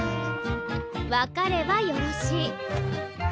わかればよろしい。